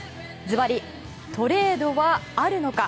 ずばり、トレードはあるのか。